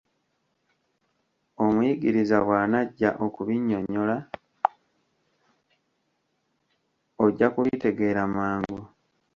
Omuyigiriza bw'anajja okubinnyonnyola, ojja kubitegeera mangu.